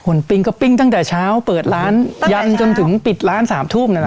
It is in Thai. ปิ้งก็ปิ้งตั้งแต่เช้าเปิดร้านยันจนถึงปิดร้าน๓ทุ่ม